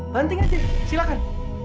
banting aja silahkan